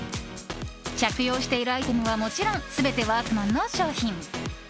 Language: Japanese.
着用しているアイテムはもちろん全てワークマンの商品。